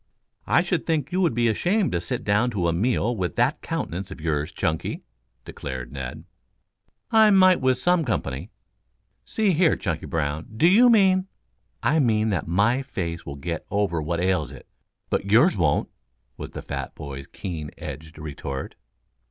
"I should think you would be ashamed to sit down to a meal with that countenance of yours, Chunky," declared Ned. "I might with some company." "See here, Chunky Brown. Do you mean " "I mean that my face will get over what ails it, but yours won't," was the fat boy's keen edged retort.